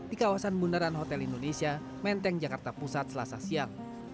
di kawasan bundaran hotel indonesia menteng jakarta pusat selasa siang